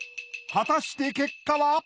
果たして結果は！？